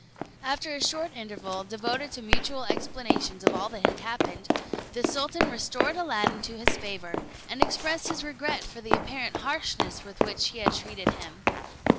After a short interval, devoted to mutual explanations of all that had happened, the sultan restored Aladdin to his favour, and expressed his regret for the apparent harshness with which he had treated him.